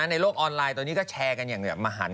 ในโลกออนไลน์ก็แชร์อย่างที่เราเห็น